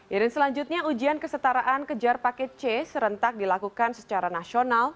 irin selanjutnya ujian kesetaraan kejar paket c serentak dilakukan secara nasional